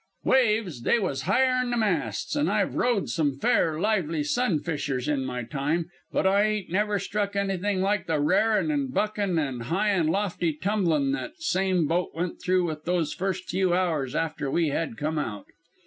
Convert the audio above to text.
Waves! they was higher'n the masts; and I've rode some fair lively sun fishers in my time, but I ain't never struck anythin' like the r'arin' and buckin' and high an' lofty tumblin' that that same boat went through with those first few hours after we had come out.